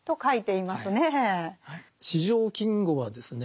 四条金吾はですね